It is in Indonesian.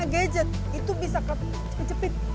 karena gadget itu bisa kejepit